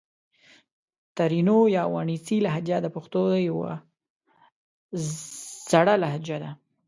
ترینو یا وڼېڅي لهجه د پښتو یو زړه لهجه ده